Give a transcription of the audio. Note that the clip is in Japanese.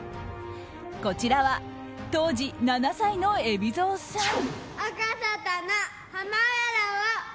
こちらは当時７歳の海老蔵さん。